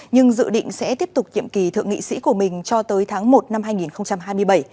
nhưng dự định sẽ tiếp tục nhiệm kỳ thượng nghị sĩ của mình cho tới tháng một năm hai nghìn hai mươi bảy